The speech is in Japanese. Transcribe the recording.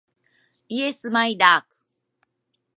イエスマイダーク